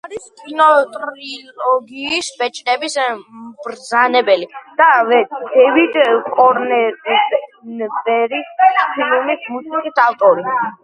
არის კინოტრილოგიის „ბეჭდების მბრძანებელი“ და დევიდ კრონენბერგის ფილმების მუსიკის ავტორი.